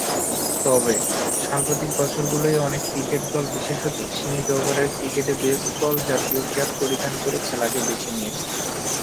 তবে, সাম্প্রতিক বছরগুলোয় অনেক ক্রিকেট দল বিশেষতঃ সীমিত ওভারের ক্রিকেটে বেসবলজাতীয় ক্যাপ পরিধান করে খেলাকে বেছে নিয়েছে।